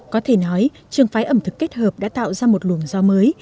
có thể nói trường phái ẩm thực kết hợp đã tạo ra một luồng do mới